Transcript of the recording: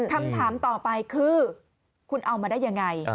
คำถามต่อไปคือคุณเอามาได้ยังไง